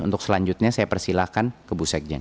untuk selanjutnya saya persilahkan ke bu sekjen